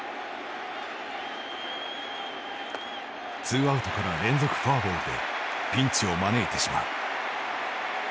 ツーアウトから連続フォアボールでピンチを招いてしまう。